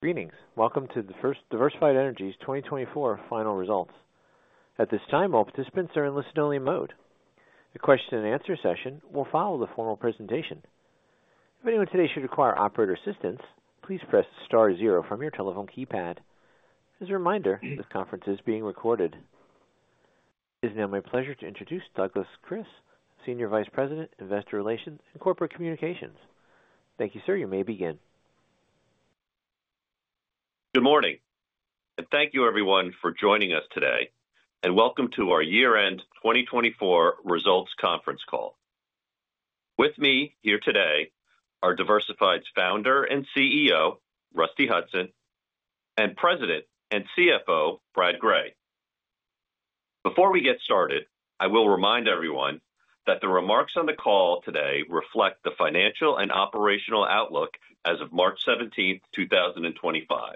Greetings. Welcome to the first Diversified Energy's 2024 final results. At this time, all participants are in listen-only mode. The question-and-answer session will follow the formal presentation. If anyone today should require operator assistance, please press star zero from your telephone keypad. As a reminder, this conference is being recorded. It is now my pleasure to introduce Douglas Kris, Senior Vice President, Investor Relations and Corporate Communications. Thank you, sir. You may begin. Good morning. Thank you, everyone, for joining us today. Welcome to our year-end 2024 results conference call. With me here today are Diversified's Founder and CEO, Rusty Hutson, and President and CFO, Brad Gray. Before we get started, I will remind everyone that the remarks on the call today reflect the financial and operational outlook as of March 17, 2025.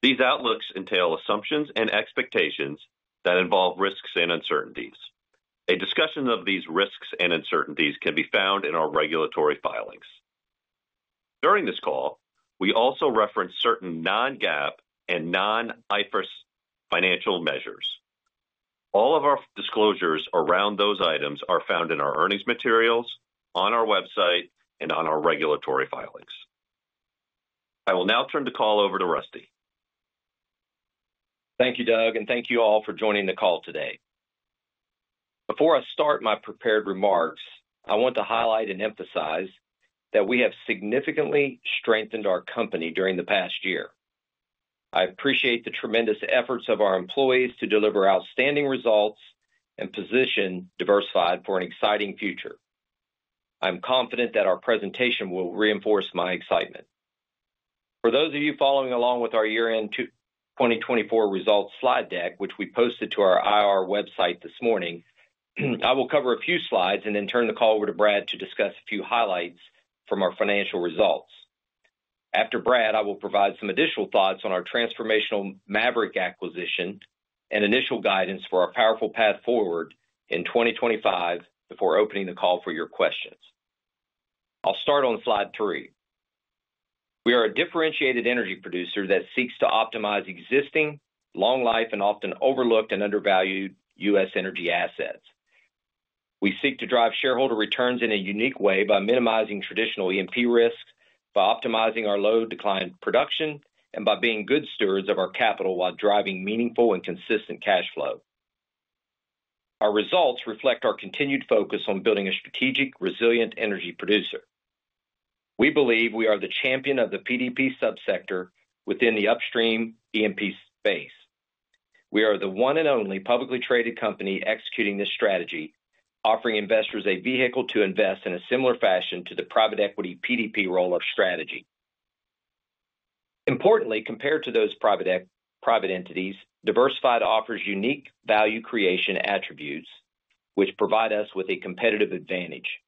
These outlooks entail assumptions and expectations that involve risks and uncertainties. A discussion of these risks and uncertainties can be found in our regulatory filings. During this call, we also reference certain non-GAAP and non-IFRS financial measures. All of our disclosures around those items are found in our earnings materials, on our website, and on our regulatory filings. I will now turn the call over to Rusty. Thank you, Doug, and thank you all for joining the call today. Before I start my prepared remarks, I want to highlight and emphasize that we have significantly strengthened our company during the past year. I appreciate the tremendous efforts of our employees to deliver outstanding results and position Diversified for an exciting future. I'm confident that our presentation will reinforce my excitement. For those of you following along with our year-end 2024 results slide deck, which we posted to our IR website this morning, I will cover a few slides and then turn the call over to Brad to discuss a few highlights from our financial results. After Brad, I will provide some additional thoughts on our transformational Maverick acquisition and initial guidance for our powerful path forward in 2025 before opening the call for your questions. I'll start on slide three. We are a differentiated energy producer that seeks to optimize existing, long-life, and often overlooked and undervalued U.S. energy assets. We seek to drive shareholder returns in a unique way by minimizing traditional E&P risk, by optimizing our load-to-client production, and by being good stewards of our capital while driving meaningful and consistent cash flow. Our results reflect our continued focus on building a strategic, resilient energy producer. We believe we are the champion of the PDP subsector within the upstream E&P space. We are the one and only publicly traded company executing this strategy, offering investors a vehicle to invest in a similar fashion to the private equity PDP roll-up strategy. Importantly, compared to those private entities, Diversified offers unique value creation attributes, which provide us with a competitive advantage.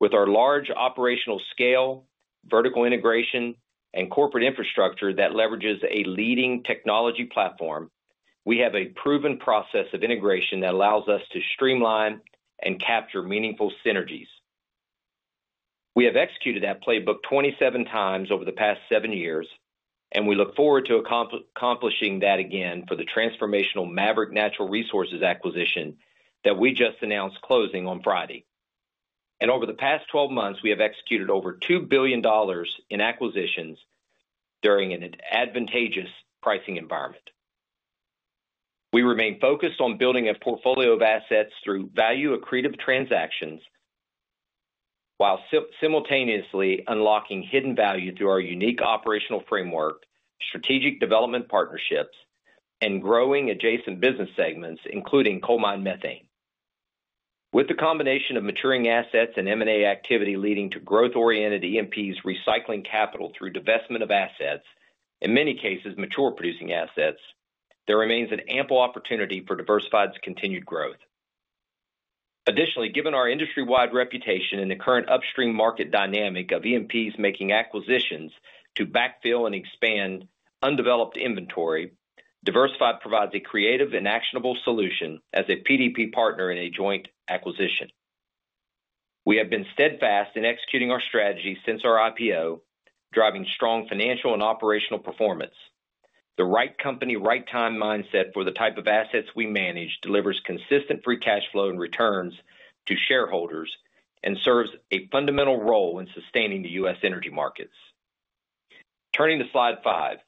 With our large operational scale, vertical integration, and corporate infrastructure that leverages a leading technology platform, we have a proven process of integration that allows us to streamline and capture meaningful synergies. We have executed that playbook 27 times over the past seven years, and we look forward to accomplishing that again for the transformational Maverick Natural Resources acquisition that we just announced closing on Friday. Over the past 12 months, we have executed over $2 billion in acquisitions during an advantageous pricing environment. We remain focused on building a portfolio of assets through value-accretive transactions, while simultaneously unlocking hidden value through our unique operational framework, strategic development partnerships, and growing adjacent business segments, including coal mine methane. With the combination of maturing assets and M&A activity leading to growth-oriented E&P's recycling capital through divestment of assets, in many cases mature producing assets, there remains an ample opportunity for Diversified's continued growth. Additionally, given our industry-wide reputation and the current upstream market dynamic of E&P's making acquisitions to backfill and expand undeveloped inventory, Diversified provides a creative and actionable solution as a PDP partner in a joint acquisition. We have been steadfast in executing our strategy since our IPO, driving strong financial and operational performance. The right company, right time mindset for the type of assets we manage delivers consistent free cash flow and returns to shareholders and serves a fundamental role in sustaining the U.S. energy markets. Turning to slide five.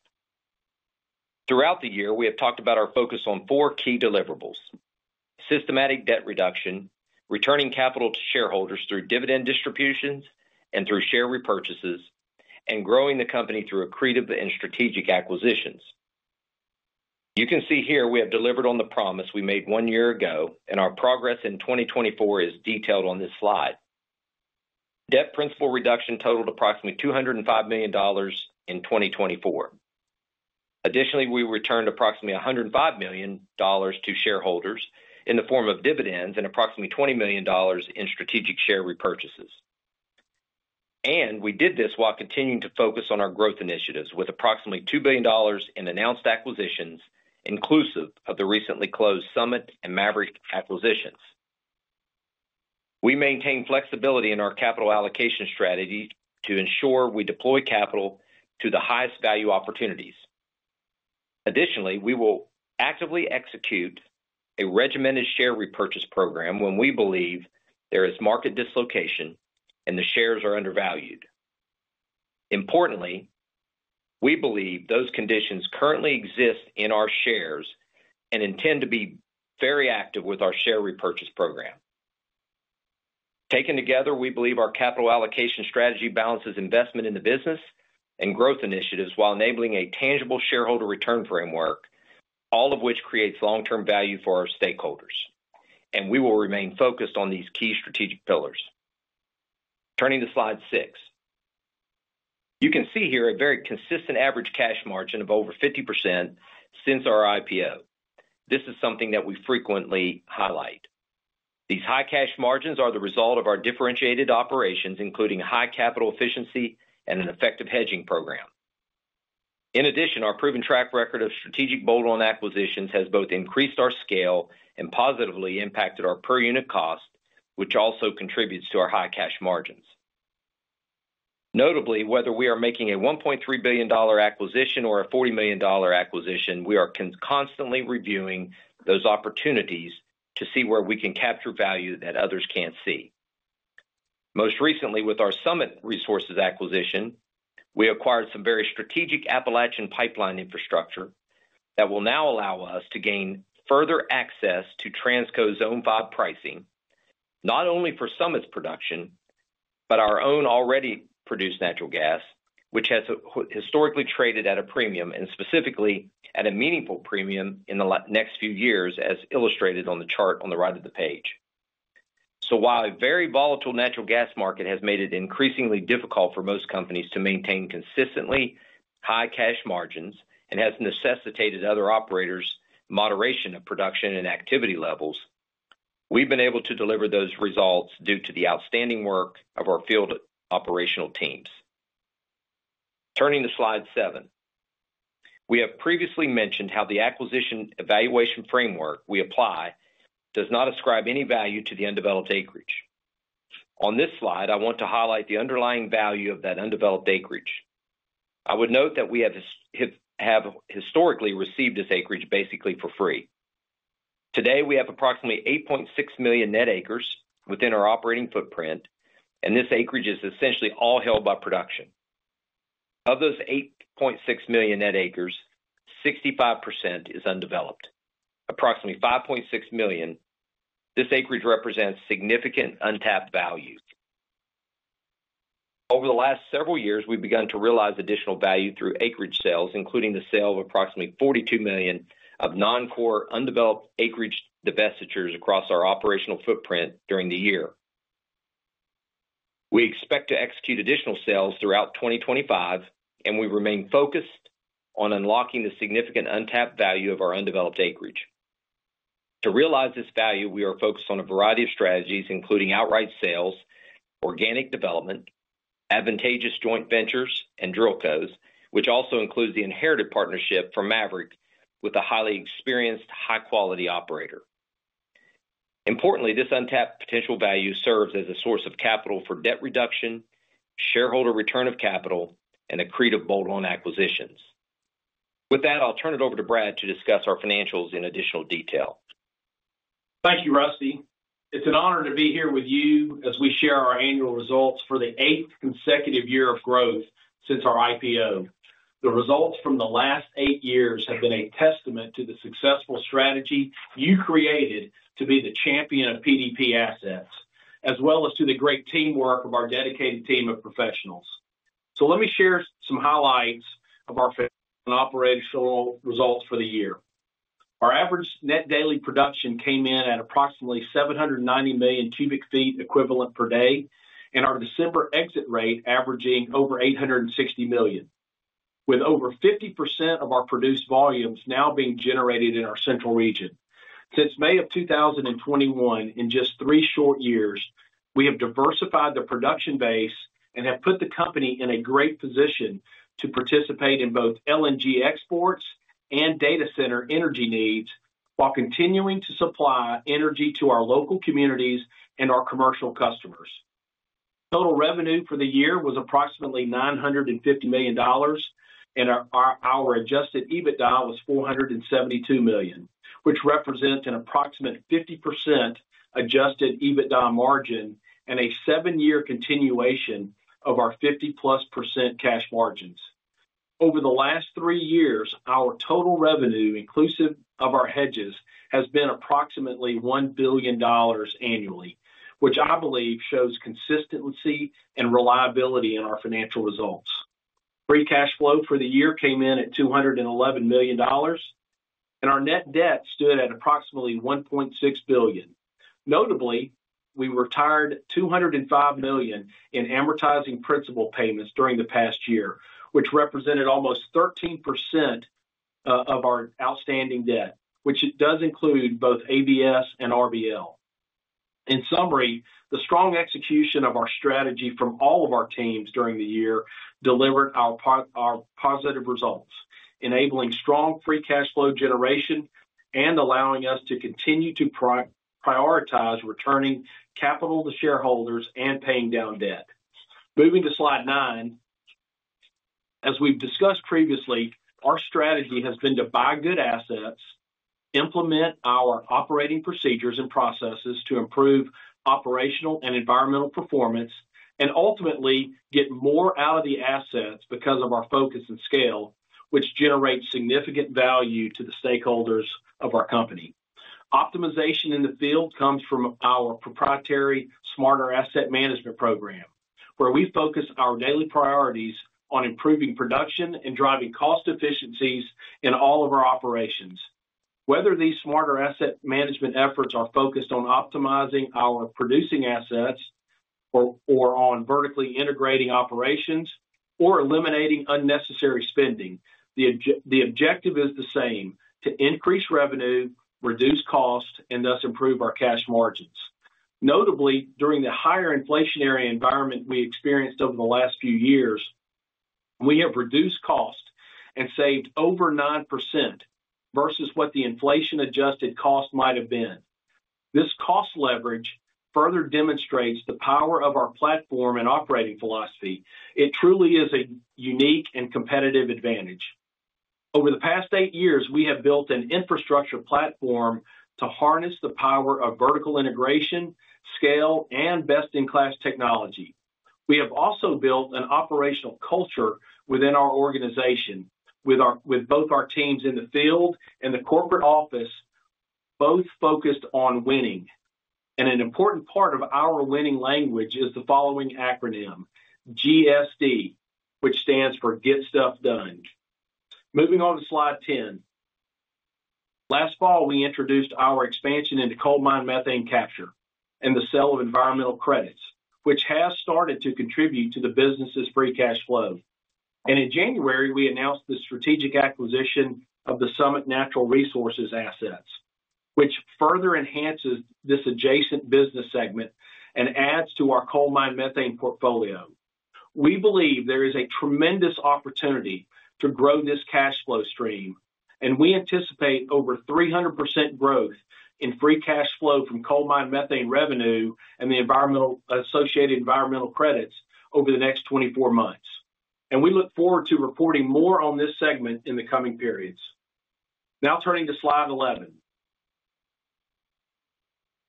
Throughout the year, we have talked about our focus on four key deliverables: systematic debt reduction, returning capital to shareholders through dividend distributions and through share repurchases, and growing the company through accretive and strategic acquisitions. You can see here we have delivered on the promise we made one year ago, and our progress in 2024 is detailed on this slide. Debt principal reduction totaled approximately $205 million in 2024. Additionally, we returned approximately $105 million to shareholders in the form of dividends and approximately $20 million in strategic share repurchases. We did this while continuing to focus on our growth initiatives with approximately $2 billion in announced acquisitions, inclusive of the recently closed Summit and Maverick acquisitions. We maintain flexibility in our capital allocation strategy to ensure we deploy capital to the highest value opportunities. Additionally, we will actively execute a regimented share repurchase program when we believe there is market dislocation and the shares are undervalued. Importantly, we believe those conditions currently exist in our shares and intend to be very active with our share repurchase program. Taken together, we believe our capital allocation strategy balances investment in the business and growth initiatives while enabling a tangible shareholder return framework, all of which creates long-term value for our stakeholders. We will remain focused on these key strategic pillars. Turning to slide six. You can see here a very consistent average cash margin of over 50% since our IPO. This is something that we frequently highlight. These high cash margins are the result of our differentiated operations, including high capital efficiency and an effective hedging program. In addition, our proven track record of strategic bolt-on acquisitions has both increased our scale and positively impacted our per-unit cost, which also contributes to our high cash margins. Notably, whether we are making a $1.3 billion acquisition or a $40 million acquisition, we are constantly reviewing those opportunities to see where we can capture value that others can't see. Most recently, with our Summit Natural Resources acquisition, we acquired some very strategic Appalachian pipeline infrastructure that will now allow us to gain further access to Transco Zone 5 pricing, not only for Summit's production, but our own already produced natural gas, which has historically traded at a premium and specifically at a meaningful premium in the next few years, as illustrated on the chart on the right of the page. While a very volatile natural gas market has made it increasingly difficult for most companies to maintain consistently high cash margins and has necessitated other operators' moderation of production and activity levels, we've been able to deliver those results due to the outstanding work of our field operational teams. Turning to slide seven. We have previously mentioned how the acquisition evaluation framework we apply does not ascribe any value to the undeveloped acreage. On this slide, I want to highlight the underlying value of that undeveloped acreage. I would note that we have historically received this acreage basically for free. Today, we have approximately 8.6 million net acres within our operating footprint, and this acreage is essentially all held by production. Of those 8.6 million net acres, 65% is undeveloped. Approximately 5.6 million, this acreage represents significant untapped value. Over the last several years, we've begun to realize additional value through acreage sales, including the sale of approximately $42 million of non-core undeveloped acreage divestitures across our operational footprint during the year. We expect to execute additional sales throughout 2025, and we remain focused on unlocking the significant untapped value of our undeveloped acreage. To realize this value, we are focused on a variety of strategies, including outright sales, organic development, advantageous joint ventures, and drill codes, which also includes the inherited partnership from Maverick with a highly experienced, high-quality operator. Importantly, this untapped potential value serves as a source of capital for debt reduction, shareholder return of capital, and accretive bolt-on acquisitions. With that, I'll turn it over to Brad to discuss our financials in additional detail. Thank you, Rusty. It's an honor to be here with you as we share our annual results for the eighth consecutive year of growth since our IPO. The results from the last eight years have been a testament to the successful strategy you created to be the champion of PDP assets, as well as to the great teamwork of our dedicated team of professionals. Let me share some highlights of our operational results for the year. Our average net daily production came in at approximately 790 million cubic feet equivalent per day, and our December exit rate averaging over 860 million, with over 50% of our produced volumes now being generated in our central region. Since May of 2021, in just three short years, we have diversified the production base and have put the company in a great position to participate in both LNG exports and data center energy needs while continuing to supply energy to our local communities and our commercial customers. Total revenue for the year was approximately $950 million, and our adjusted EBITDA was $472 million, which represents an approximate 50% adjusted EBITDA margin and a seven-year continuation of our 50% plus cash margins. Over the last three years, our total revenue, inclusive of our hedges, has been approximately $1 billion annually, which I believe shows consistency and reliability in our financial results. Free cash flow for the year came in at $211 million, and our net debt stood at approximately $1.6 billion. Notably, we retired $205 million in amortizing principal payments during the past year, which represented almost 13% of our outstanding debt, which does include both ABS and RBL. In summary, the strong execution of our strategy from all of our teams during the year delivered our positive results, enabling strong free cash flow generation and allowing us to continue to prioritize returning capital to shareholders and paying down debt. Moving to slide nine, as we've discussed previously, our strategy has been to buy good assets, implement our operating procedures and processes to improve operational and environmental performance, and ultimately get more out of the assets because of our focus and scale, which generates significant value to the stakeholders of our company. Optimization in the field comes from our proprietary Smarter Asset Management Program, where we focus our daily priorities on improving production and driving cost efficiencies in all of our operations. Whether these Smarter Asset Management efforts are focused on optimizing our producing assets or on vertically integrating operations or eliminating unnecessary spending, the objective is the same: to increase revenue, reduce cost, and thus improve our cash margins. Notably, during the higher inflationary environment we experienced over the last few years, we have reduced cost and saved over 9% versus what the inflation-adjusted cost might have been. This cost leverage further demonstrates the power of our platform and operating philosophy. It truly is a unique and competitive advantage. Over the past eight years, we have built an infrastructure platform to harness the power of vertical integration, scale, and best-in-class technology. We have also built an operational culture within our organization, with both our teams in the field and the corporate office, both focused on winning. An important part of our winning language is the following acronym, GSD, which stands for Get Stuff Done. Moving on to slide 10. Last fall, we introduced our expansion into coal mine methane capture and the sale of environmental credits, which has started to contribute to the business's free cash flow. In January, we announced the strategic acquisition of the Summit Natural Resources assets, which further enhances this adjacent business segment and adds to our coal mine methane portfolio. We believe there is a tremendous opportunity to grow this cash flow stream, and we anticipate over 300% growth in free cash flow from coal mine methane revenue and the associated environmental credits over the next 24 months. We look forward to reporting more on this segment in the coming periods. Now, turning to slide 11.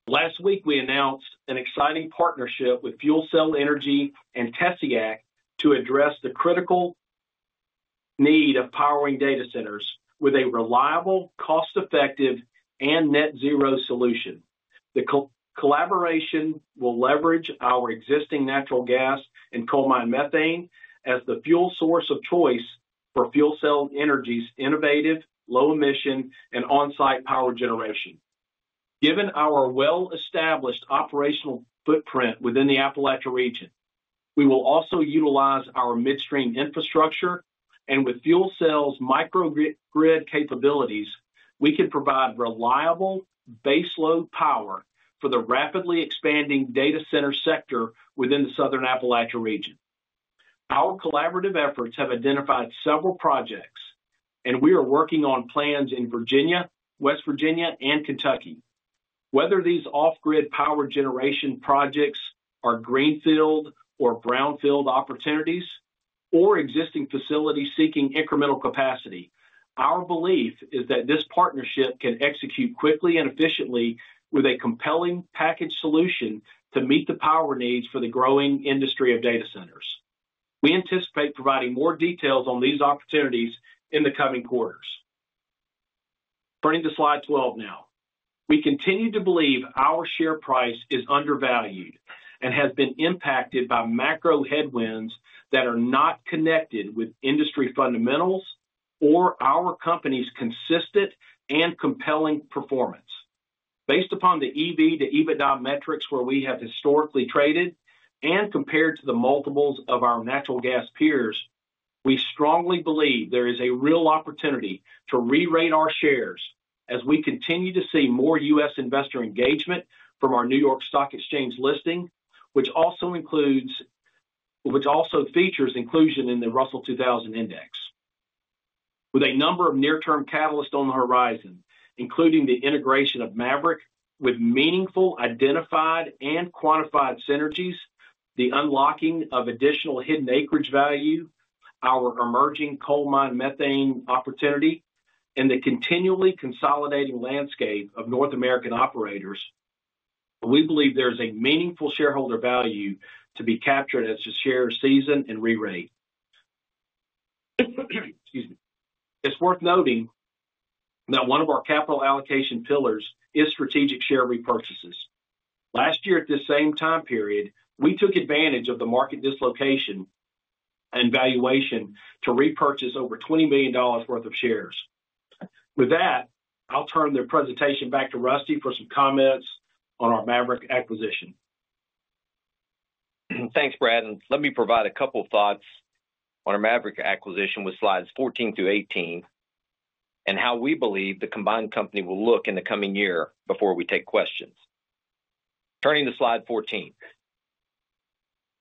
Last week, we announced an exciting partnership with FuelCell Energy and Tenaska to address the critical need of powering data centers with a reliable, cost-effective, and net-zero solution. The collaboration will leverage our existing natural gas and coal mine methane as the fuel source of choice for FuelCell Energy's innovative, low-emission, and on-site power generation. Given our well-established operational footprint within the Appalachia region, we will also utilize our midstream infrastructure, and with Fuel Cell's microgrid capabilities, we can provide reliable base load power for the rapidly expanding data center sector within the southern Appalachia region. Our collaborative efforts have identified several projects, and we are working on plans in Virginia, West Virginia, and Kentucky. Whether these off-grid power generation projects are greenfield or brownfield opportunities, or existing facilities seeking incremental capacity, our belief is that this partnership can execute quickly and efficiently with a compelling package solution to meet the power needs for the growing industry of data centers. We anticipate providing more details on these opportunities in the coming quarters. Turning to slide 12 now. We continue to believe our share price is undervalued and has been impacted by macro headwinds that are not connected with industry fundamentals or our company's consistent and compelling performance. Based upon the EV to EBITDA metrics where we have historically traded and compared to the multiples of our natural gas peers, we strongly believe there is a real opportunity to re-rate our shares as we continue to see more U.S. Investor engagement from our New York Stock Exchange listing, which also features inclusion in the Russell 2000 index. With a number of near-term catalysts on the horizon, including the integration of Maverick with meaningful identified and quantified synergies, the unlocking of additional hidden acreage value, our emerging coal mine methane opportunity, and the continually consolidating landscape of North American operators, we believe there is a meaningful shareholder value to be captured as the shares season and re-rate. Excuse me. It is worth noting that one of our capital allocation pillars is strategic share repurchases. Last year, at the same time period, we took advantage of the market dislocation and valuation to repurchase over $20 million worth of shares. With that, I will turn the presentation back to Rusty for some comments on our Maverick acquisition. Thanks, Brad. Let me provide a couple of thoughts on our Maverick acquisition with slides 14 through 18 and how we believe the combined company will look in the coming year before we take questions. Turning to slide 14.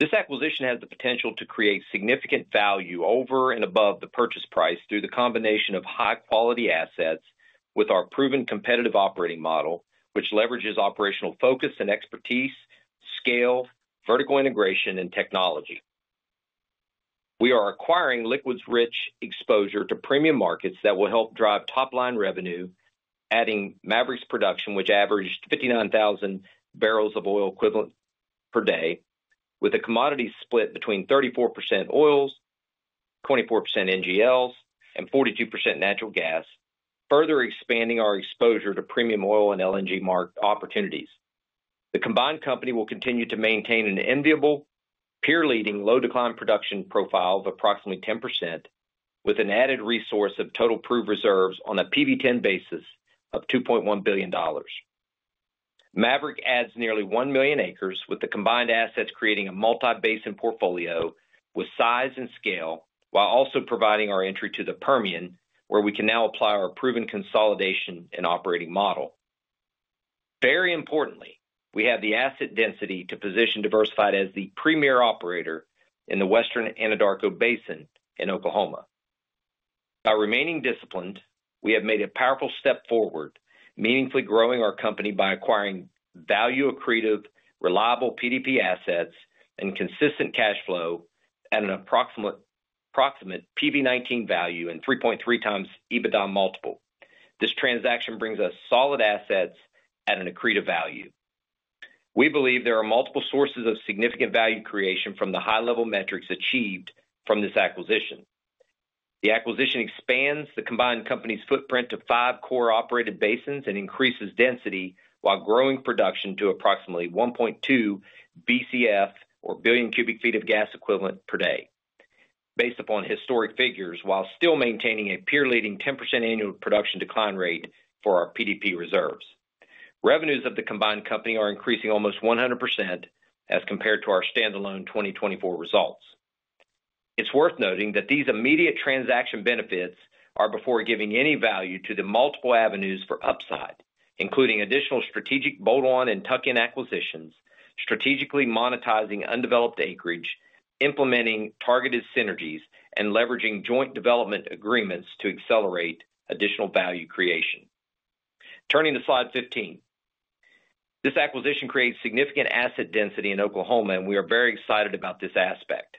This acquisition has the potential to create significant value over and above the purchase price through the combination of high-quality assets with our proven competitive operating model, which leverages operational focus and expertise, scale, vertical integration, and technology. We are acquiring liquids-rich exposure to premium markets that will help drive top-line revenue, adding Maverick's production, which averaged 59,000 barrels of oil equivalent per day, with a commodity split between 34% oil, 24% NGLs, and 42% natural gas, further expanding our exposure to premium oil and LNG-marked opportunities. The combined company will continue to maintain an enviable, peer-leading low-decline production profile of approximately 10%, with an added resource of total proved reserves on a PV10 basis of $2.1 billion. Maverick adds nearly 1 million acres, with the combined assets creating a multi-basin portfolio with size and scale, while also providing our entry to the Permian, where we can now apply our proven consolidation and operating model. Very importantly, we have the asset density to position Diversified as the premier operator in the Western Anadarko Basin in Oklahoma. By remaining disciplined, we have made a powerful step forward, meaningfully growing our company by acquiring value-accretive, reliable PDP assets, and consistent cash flow at an approximate PV10 value and 3.3 times EBITDA multiple. This transaction brings us solid assets at an accretive value. We believe there are multiple sources of significant value creation from the high-level metrics achieved from this acquisition. The acquisition expands the combined company's footprint to five core operated basins and increases density while growing production to approximately 1.2 BCF, or billion cubic feet of gas equivalent, per day, based upon historic figures, while still maintaining a peer-leading 10% annual production decline rate for our PDP reserves. Revenues of the combined company are increasing almost 100% as compared to our standalone 2024 results. It's worth noting that these immediate transaction benefits are before giving any value to the multiple avenues for upside, including additional strategic bolt-on and tuck-in acquisitions, strategically monetizing undeveloped acreage, implementing targeted synergies, and leveraging joint development agreements to accelerate additional value creation. Turning to slide 15. This acquisition creates significant asset density in Oklahoma, and we are very excited about this aspect.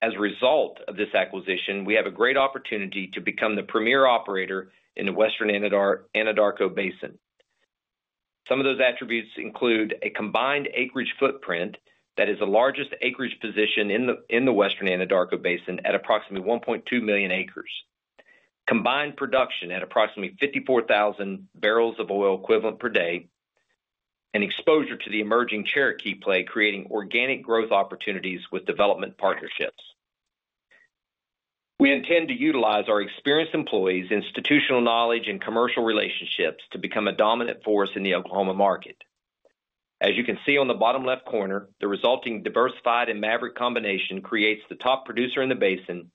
As a result of this acquisition, we have a great opportunity to become the premier operator in the Western Anadarko Basin. Some of those attributes include a combined acreage footprint that is the largest acreage position in the Western Anadarko Basin at approximately 1.2 million acres, combined production at approximately 54,000 barrels of oil equivalent per day, and exposure to the emerging Cherokee play, creating organic growth opportunities with development partnerships. We intend to utilize our experienced employees, institutional knowledge, and commercial relationships to become a dominant force in the Oklahoma market. As you can see on the bottom left corner, the resulting Diversified and Maverick combination creates the top producer in the basin,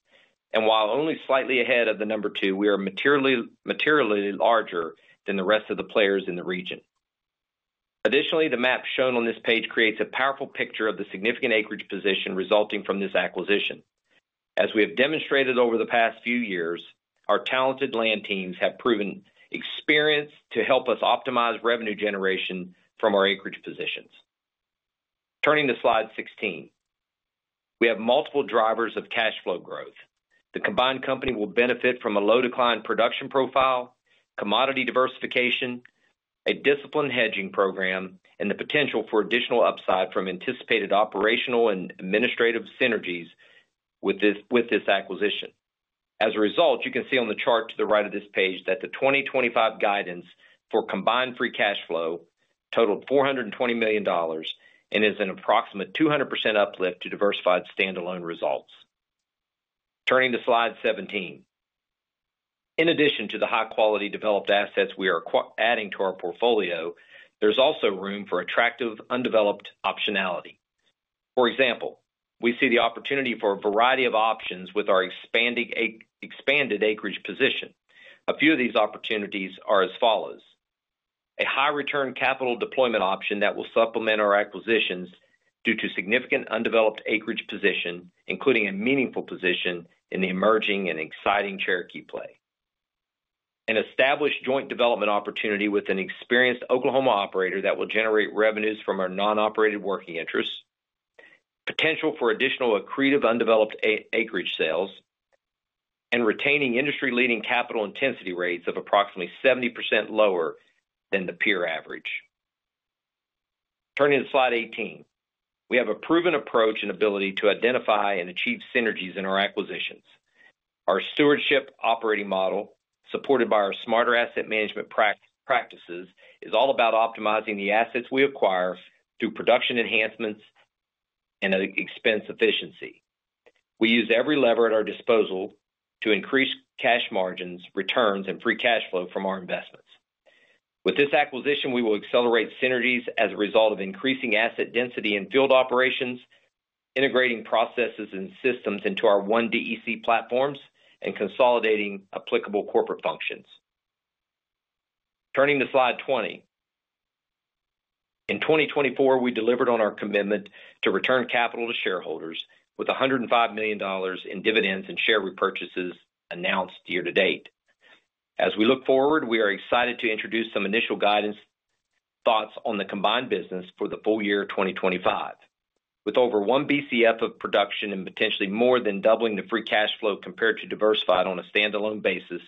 and while only slightly ahead of the number two, we are materially larger than the rest of the players in the region. Additionally, the map shown on this page creates a powerful picture of the significant acreage position resulting from this acquisition. As we have demonstrated over the past few years, our talented land teams have proven experience to help us optimize revenue generation from our acreage positions. Turning to slide 16. We have multiple drivers of cash flow growth. The combined company will benefit from a low-decline production profile, commodity diversification, a disciplined hedging program, and the potential for additional upside from anticipated operational and administrative synergies with this acquisition. As a result, you can see on the chart to the right of this page that the 2025 guidance for combined free cash flow totaled $420 million and is an approximate 200% uplift to Diversified standalone results. Turning to slide 17. In addition to the high-quality developed assets we are adding to our portfolio, there's also room for attractive undeveloped optionality. For example, we see the opportunity for a variety of options with our expanded acreage position. A few of these opportunities are as follows: a high-return capital deployment option that will supplement our acquisitions due to significant undeveloped acreage position, including a meaningful position in the emerging and exciting Cherokee play, an established joint development opportunity with an experienced Oklahoma operator that will generate revenues from our non-operated working interest, potential for additional accretive undeveloped acreage sales, and retaining industry-leading capital intensity rates of approximately 70% lower than the peer average. Turning to slide 18. We have a proven approach and ability to identify and achieve synergies in our acquisitions. Our stewardship operating model, supported by our smarter asset management practices, is all about optimizing the assets we acquire through production enhancements and expense efficiency. We use every lever at our disposal to increase cash margins, returns, and free cash flow from our investments. With this acquisition, we will accelerate synergies as a result of increasing asset density and field operations, integrating processes and systems into our one DEC platform, and consolidating applicable corporate functions. Turning to slide 20. In 2024, we delivered on our commitment to return capital to shareholders with $105 million in dividends and share repurchases announced year to date. As we look forward, we are excited to introduce some initial guidance thoughts on the combined business for the full year 2025. With over 1 BCF of production and potentially more than doubling the free cash flow compared to Diversified on a standalone basis,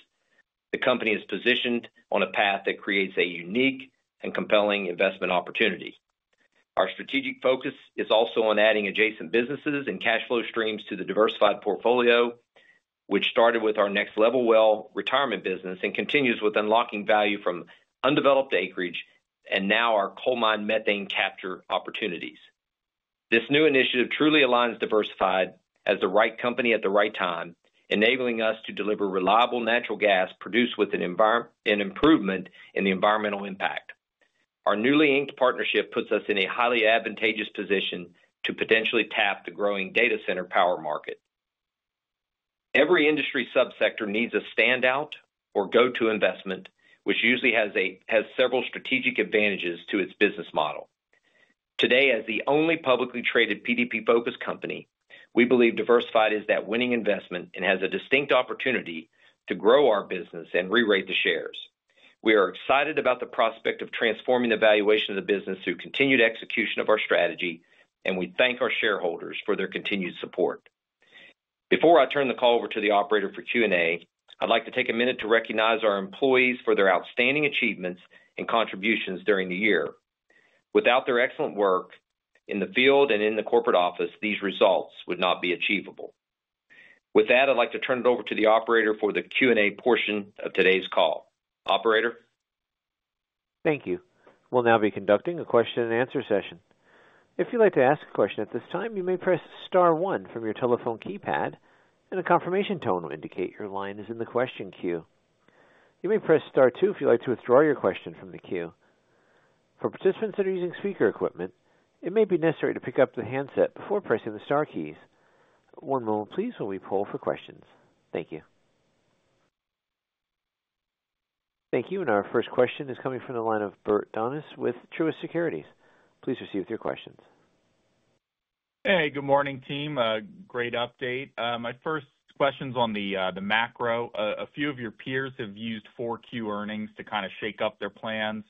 the company is positioned on a path that creates a unique and compelling investment opportunity. Our strategic focus is also on adding adjacent businesses and cash flow streams to the Diversified portfolio, which started with our next-level well retirement business and continues with unlocking value from undeveloped acreage and now our coal mine methane capture opportunities. This new initiative truly aligns Diversified as the right company at the right time, enabling us to deliver reliable natural gas produced with an improvement in the environmental impact. Our newly inked partnership puts us in a highly advantageous position to potentially tap the growing data center power market. Every industry subsector needs a standout or go-to investment, which usually has several strategic advantages to its business model. Today, as the only publicly traded PDP-focused company, we believe Diversified is that winning investment and has a distinct opportunity to grow our business and re-rated shares. We are excited about the prospect of transforming the valuation of the business through continued execution of our strategy, and we thank our shareholders for their continued support. Before I turn the call over to the operator for Q&A, I'd like to take a minute to recognize our employees for their outstanding achievements and contributions during the year. Without their excellent work in the field and in the corporate office, these results would not be achievable. With that, I'd like to turn it over to the operator for the Q&A portion of today's call. Operator. Thank you. We'll now be conducting a question-and-answer session. If you'd like to ask a question at this time, you may press Star 1 from your telephone keypad, and a confirmation tone will indicate your line is in the question queue. You may press Star 2 if you'd like to withdraw your question from the queue. For participants that are using speaker equipment, it may be necessary to pick up the handset before pressing the Star keys. One moment, please, while we pull for questions. Thank you. Thank you. Our first question is coming from the line of Bert Donnes with Truist Securities. Please proceed with your questions. Hey, good morning, team. Great update. My first question's on the macro. A few of your peers have used Q4 earnings to kind of shake up their plans,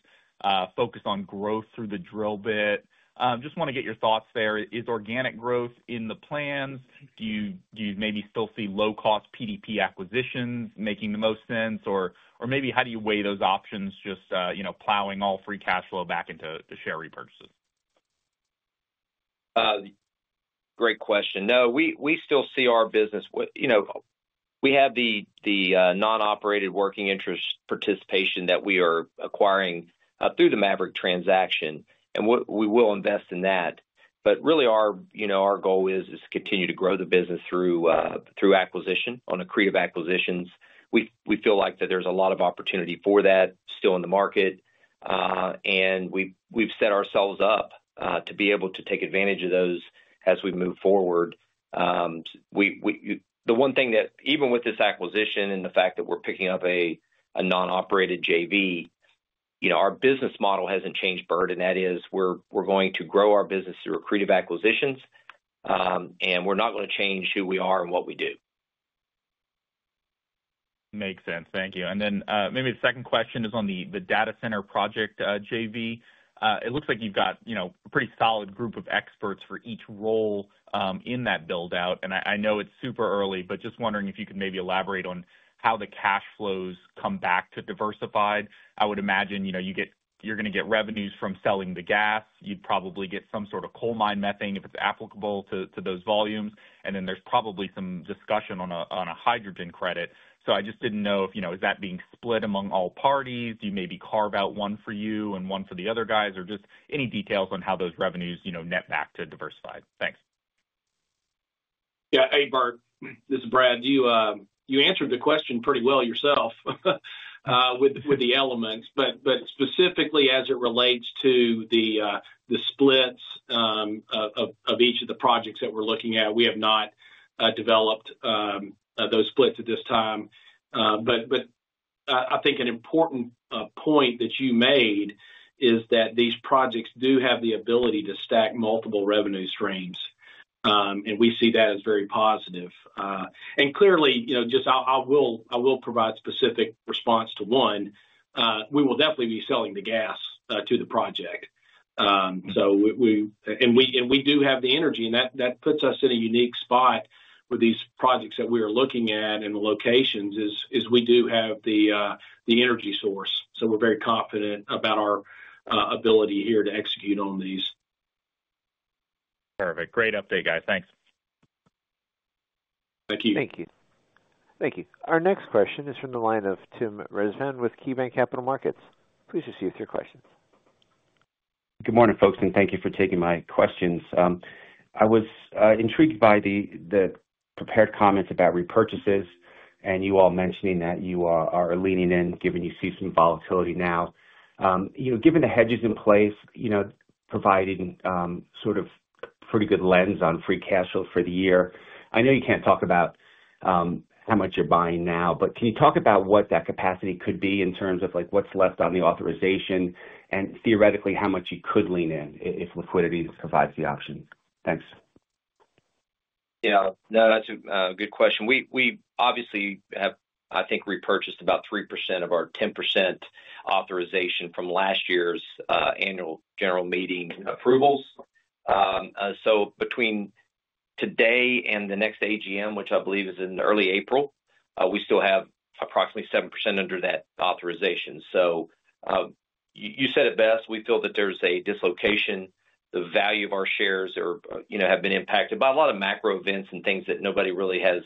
focus on growth through the drill bit. Just want to get your thoughts there. Is organic growth in the plans? Do you maybe still see low-cost PDP acquisitions making the most sense, or maybe how do you weigh those options, just plowing all free cash flow back into the share repurchases? Great question. No, we still see our business. We have the non-operated working interest participation that we are acquiring through the Maverick transaction, and we will invest in that. Really, our goal is to continue to grow the business through acquisition, on accretive acquisitions. We feel like that there's a lot of opportunity for that still in the market, and we've set ourselves up to be able to take advantage of those as we move forward. The one thing that, even with this acquisition and the fact that we're picking up a non-operated JV, our business model hasn't changed, Bert, and that is we're going to grow our business through accretive acquisitions, and we're not going to change who we are and what we do. Makes sense. Thank you. Maybe the second question is on the data center project JV. It looks like you've got a pretty solid group of experts for each role in that build-out. I know it's super early, but just wondering if you could maybe elaborate on how the cash flows come back to Diversified. I would imagine you're going to get revenues from selling the gas. You'd probably get some sort of coal mine methane if it's applicable to those volumes. There's probably some discussion on a hydrogen credit. I just didn't know if that's being split among all parties. Do you maybe carve out one for you and one for the other guys, or just any details on how those revenues net back to Diversified? Thanks. Yeah. Hey, Bert. This is Brad. You answered the question pretty well yourself with the elements. Specifically, as it relates to the splits of each of the projects that we're looking at, we have not developed those splits at this time. I think an important point that you made is that these projects do have the ability to stack multiple revenue streams, and we see that as very positive. Clearly, I will provide specific response to one. We will definitely be selling the gas to the project. We do have the energy, and that puts us in a unique spot with these projects that we are looking at and the locations is we do have the energy source. We are very confident about our ability here to execute on these. Terrific. Great update, guys. Thanks. Thank you. Thank you. Thank you. Our next question is from the line of Tim Rezvan with KeyBank Capital Markets. Please proceed with your questions. Good morning, folks, and thank you for taking my questions. I was intrigued by the prepared comments about repurchases and you all mentioning that you are leaning in, given you see some volatility now. Given the hedges in place, providing sort of a pretty good lens on free cash flow for the year, I know you can't talk about how much you're buying now, but can you talk about what that capacity could be in terms of what's left on the authorization and theoretically how much you could lean in if liquidity provides the option? Thanks. Yeah. No, that's a good question. We obviously have, I think, repurchased about 3% of our 10% authorization from last year's annual general meeting approvals. Between today and the next AGM, which I believe is in early April, we still have approximately 7% under that authorization. You said it best. We feel that there's a dislocation. The value of our shares have been impacted by a lot of macro events and things that nobody really has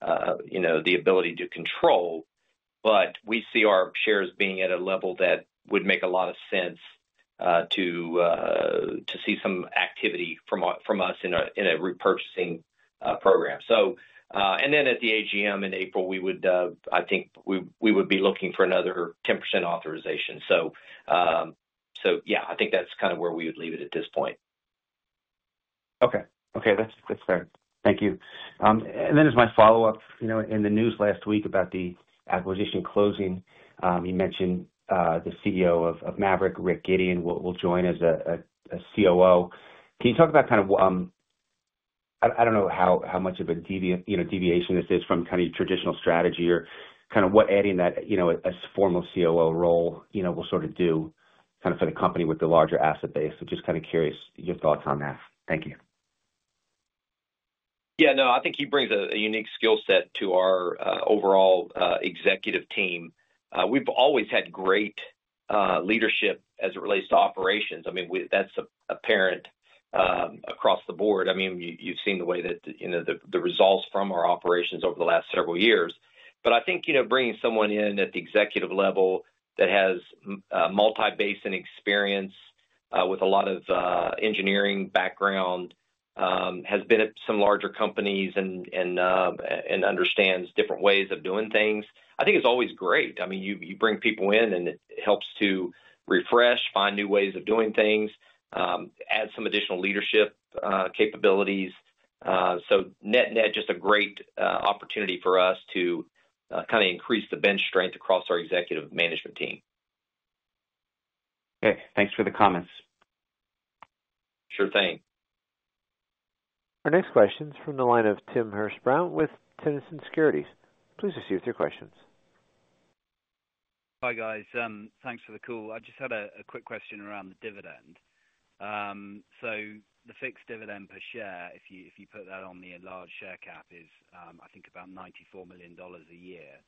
the ability to control. We see our shares being at a level that would make a lot of sense to see some activity from us in a repurchasing program. At the AGM in April, I think we would be looking for another 10% authorization. Yeah, I think that's kind of where we would leave it at this point. Okay. Okay. That's fair. Thank you. As my follow-up, in the news last week about the acquisition closing, you mentioned the CEO of Maverick, Rick Gideon, will join as a COO. Can you talk about kind of—I don't know how much of a deviation this is from kind of your traditional strategy or kind of what adding that as a formal COO role will sort of do kind of for the company with the larger asset base? I'm just kind of curious your thoughts on that. Thank you. Yeah. No, I think he brings a unique skill set to our overall executive team. We've always had great leadership as it relates to operations. I mean, that's apparent across the board. I mean, you've seen the way that the results from our operations over the last several years. I think bringing someone in at the executive level that has multi-basin experience with a lot of engineering background, has been at some larger companies and understands different ways of doing things, I think is always great. I mean, you bring people in, and it helps to refresh, find new ways of doing things, add some additional leadership capabilities. Net-net, just a great opportunity for us to kind of increase the bench strength across our executive management team. Okay. Thanks for the comments. Sure thing. Our next question is from the line of Tim Hurst-Brown with Tennyson Securities. Please proceed with your questions. Hi guys. Thanks for the call. I just had a quick question around the dividend. The fixed dividend per share, if you put that on the enlarged share cap, is I think about $94 million a year.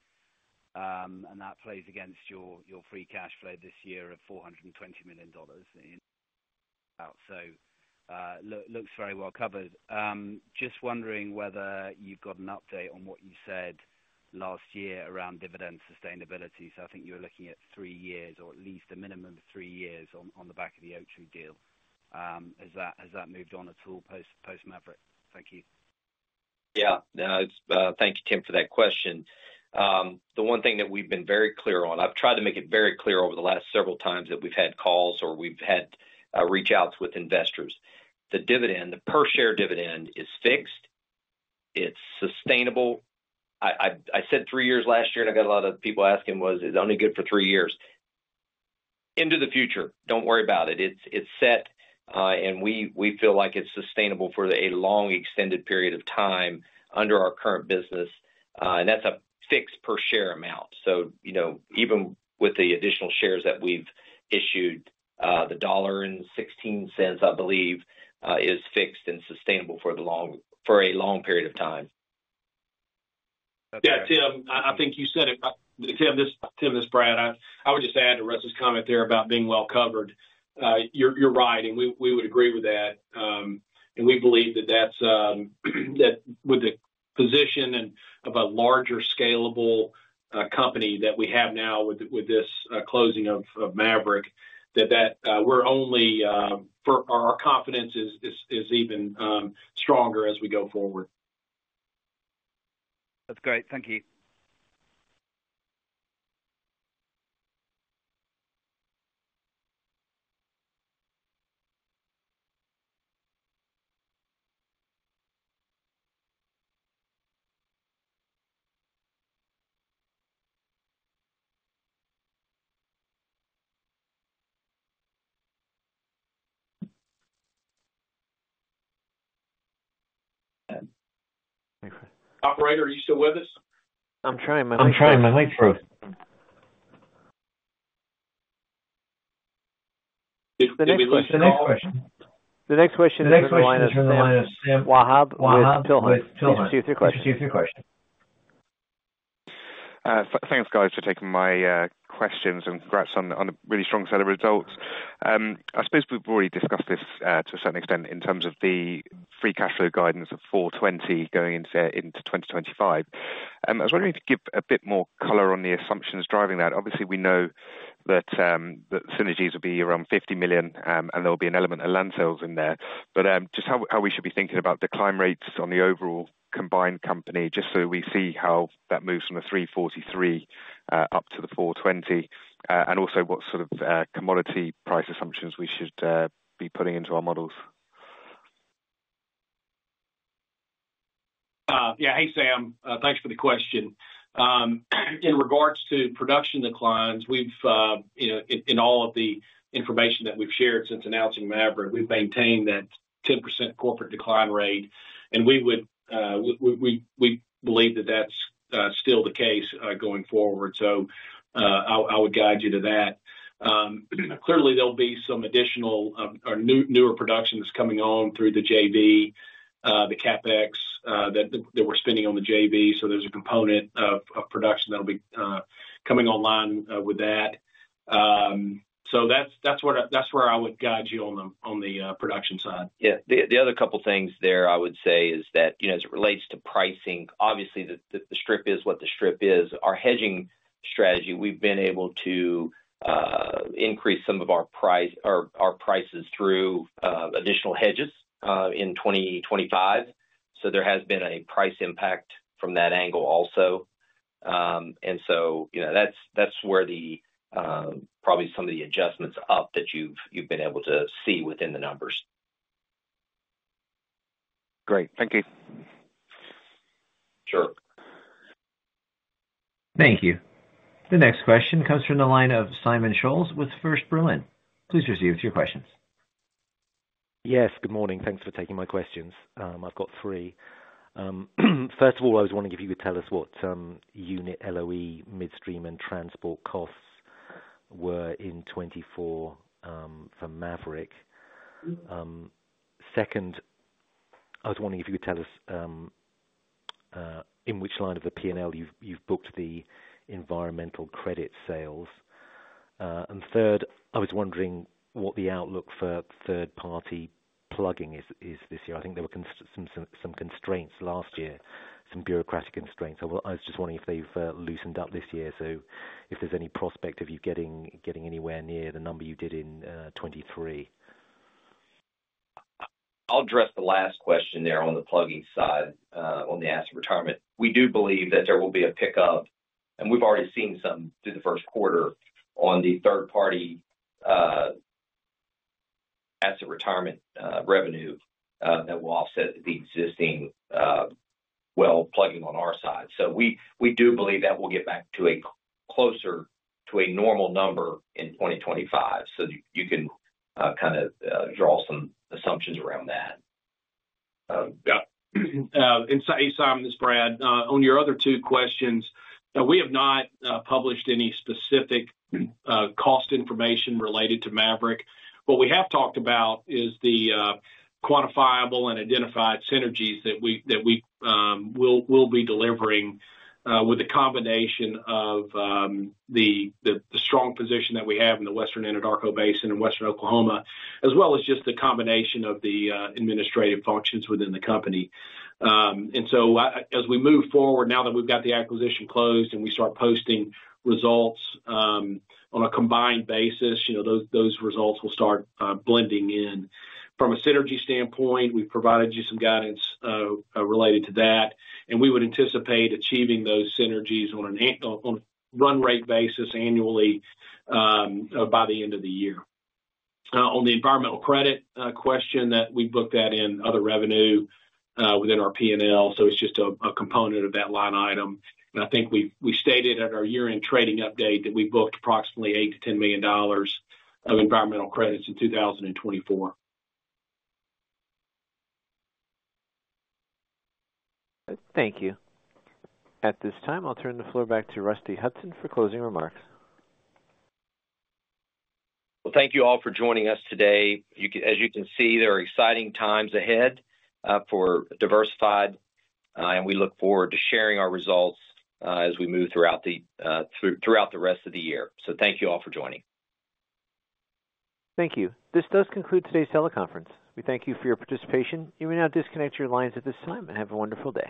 That plays against your free cash flow this year of $420 million. Looks very well covered. Just wondering whether you've got an update on what you said last year around dividend sustainability. I think you're looking at three years or at least a minimum of three years on the back of the Oaktree deal. Has that moved on at all post-Maverick? Thank you. Yeah. Thank you, Tim, for that question. The one thing that we've been very clear on—I have tried to make it very clear over the last several times that we've had calls or we've had reach-outs with investors. The dividend, the per-share dividend, is fixed. It is sustainable. I said three years last year, and I got a lot of people asking, "Was it only good for three years?" Into the future, do not worry about it. It is set, and we feel like it is sustainable for a long extended period of time under our current business. That is a fixed per-share amount. Even with the additional shares that we have issued, the $1.16, I believe, is fixed and sustainable for a long period of time. Yeah, Tim, I think you said it. Tim, this is Brad. I would just add to Russ's comment there about being well covered. You're right, and we would agree with that. We believe that with the position of a larger scalable company that we have now with this closing of Maverick, our confidence is even stronger as we go forward. That's great. Thank you. Operator, are you still with us? I'm trying my microphone. The next question. The next question is from the line of Sam Wahab. Wahab. Just two or three questions. Just two or three questions. Thanks, guys, for taking my questions and congrats on the really strong set of results. I suppose we've already discussed this to a certain extent in terms of the free cash flow guidance of $420 million going into 2025. I was wondering if you could give a bit more color on the assumptions driving that. Obviously, we know that synergies will be around $50 million, and there will be an element of land sales in there. Just how we should be thinking about decline rates on the overall combined company, just so we see how that moves from the $343 million up to the $420 million, and also what sort of commodity price assumptions we should be putting into our models. Yeah. Hey, Sam. Thanks for the question. In regards to production declines, in all of the information that we've shared since announcing Maverick, we've maintained that 10% corporate decline rate. We believe that that's still the case going forward. I would guide you to that. Clearly, there'll be some additional or newer production that's coming on through the JV, the CapEx that we're spending on the JV. There's a component of production that'll be coming online with that. That's where I would guide you on the production side. Yeah. The other couple of things there I would say is that as it relates to pricing, obviously, the strip is what the strip is. Our hedging strategy, we've been able to increase some of our prices through additional hedges in 2025. There has been a price impact from that angle also. That is where probably some of the adjustments up that you've been able to see within the numbers. Great. Thank you. Sure. Thank you. The next question comes from the line of Simon Scholes with First Berlin. Please proceed with your questions. Yes. Good morning. Thanks for taking my questions. I've got three. First of all, I was wondering if you could tell us what unit LOE, midstream, and transport costs were in 2024 for Maverick. Second, I was wondering if you could tell us in which line of the P&L you've booked the environmental credit sales. Third, I was wondering what the outlook for third-party plugging is this year. I think there were some constraints last year, some bureaucratic constraints. I was just wondering if they've loosened up this year, so if there's any prospect of you getting anywhere near the number you did in 2023. I'll address the last question there on the plugging side on the asset retirement. We do believe that there will be a pickup, and we've already seen some through the first quarter on the third-party asset retirement revenue that will offset the existing well plugging on our side. We do believe that we'll get back to a closer to a normal number in 2025. You can kind of draw some assumptions around that. Yeah. Simon, this is Brad. On your other two questions, we have not published any specific cost information related to Maverick. What we have talked about is the quantifiable and identified synergies that we will be delivering with the combination of the strong position that we have in the Western Anadarko Basin and Western Oklahoma, as well as just the combination of the administrative functions within the company. As we move forward, now that we've got the acquisition closed and we start posting results on a combined basis, those results will start blending in. From a synergy standpoint, we've provided you some guidance related to that, and we would anticipate achieving those synergies on a run rate basis annually by the end of the year. On the environmental credit question that we booked that in other revenue within our P&L, so it's just a component of that line item. I think we stated at our year-end trading update that we booked approximately $8 million-$10 million of environmental credits in 2024. Thank you. At this time, I'll turn the floor back to Rusty Hutson for closing remarks. Thank you all for joining us today. As you can see, there are exciting times ahead for Diversified. We look forward to sharing our results as we move throughout the rest of the year. Thank you all for joining. Thank you. This does conclude today's teleconference. We thank you for your participation. You may now disconnect your lines at this time and have a wonderful day.